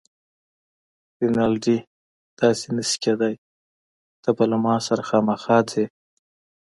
رینالډي: داسې نه شي کیدای، ته به له ما سره خامخا ځې.